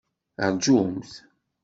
Rǧumt!